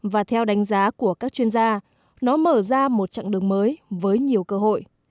và theo đánh giá của các chuyên gia nó mở ra một chặng đường mới với nhiều cơ hội